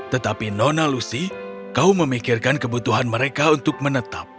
tetapi nona lucy kau memikirkan kebutuhan mereka untuk menetap